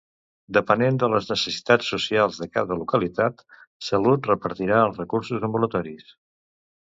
Depenent de les necessitats socials de cada localitat, Salut repartirà els recursos ambulatoris.